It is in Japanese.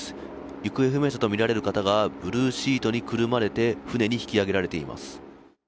行方不明者とみられる方がブルーシートにくるまれて船に引き揚げられています。